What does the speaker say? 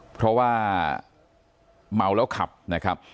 เพราะว่าเมาแล้วขับนะครับ